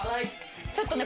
ちょっとね